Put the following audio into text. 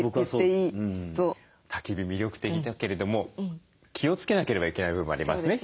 たき火魅力的だけれども気をつけなければいけない部分もありますね。